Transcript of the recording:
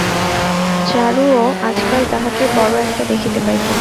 চারুও আজকাল তাহাকে বড়ো একটা দেখিতে পাইত না।